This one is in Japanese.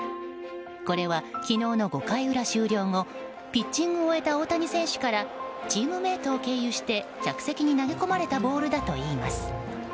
これは昨日の５回裏終了後ピッチングを終えた大谷選手からチームメートを経由して客席に投げ込まれたボールだといいます。